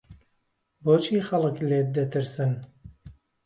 بۆچی خەڵک لێت دەترسن؟